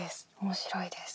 面白いです。